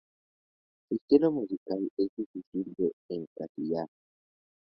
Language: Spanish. Su estilo musical es difícil de encasillar.